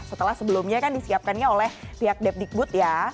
setelah sebelumnya kan disiapkannya oleh pihak depdikbud ya